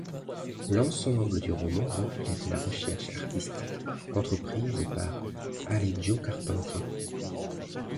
L'ensemble du roman reflète la recherche artistique entreprise par Alejo Carpentier.